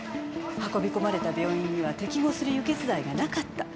運び込まれた病院には適合する輸血剤がなかった。